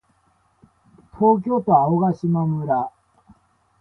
東京都青ヶ島村